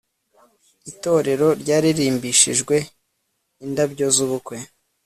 itorero ryarimbishijwe indabyo zubukwe